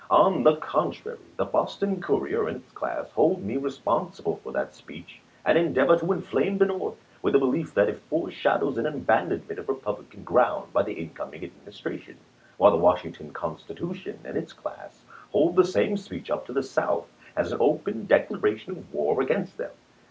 On the contrary, the " Boston Courier " and its class hold me responsible for that speech, and endeavor to inflame the North with the belief that it foreshadows an abandonment of Repub lican ground by the incoming Administration ; while the " Washington Constitution " and its class hold the same speech up to the South as an open declaration of war against them.